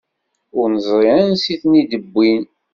Ur neẓri ansi i ten-id-wwin.